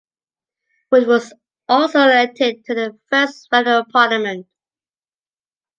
Wood was also elected to the first federal parliament.